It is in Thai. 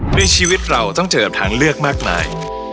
ชีวิตเราต้องเจอกับทางเลือกมากมาย